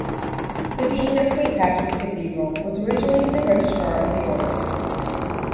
The Dean of Saint Patrick's Cathedral was originally the Registrar of the Order.